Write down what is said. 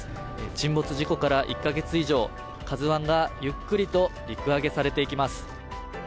沈没事故から１カ月以上、「ＫＡＺＵⅠ」がゆっくりと陸揚げされていきます。